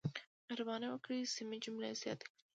مهرباني وکړئ سمې جملې زیاتې کړئ.